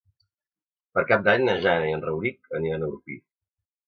Per Cap d'Any na Jana i en Rauric aniran a Orpí.